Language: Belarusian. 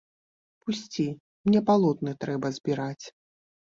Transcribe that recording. Пусці, мне палотны трэба збіраць.